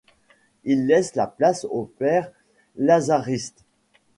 Ils laissent la place aux pères lazaristes.